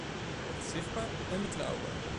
Het is zichtbaar en betrouwbaar.